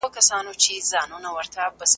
زه پرون د کتابتوننۍ سره خبري وکړې؟!